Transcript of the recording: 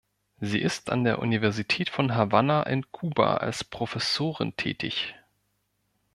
Sie ist an der Universität von Havanna in Kuba als Professorin tätig.